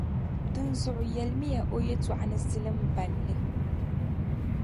Din zuɣu yεlimi ya o yɛltɔɣa ni zilimballi.